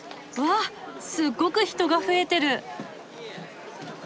すっごく人が増えてる。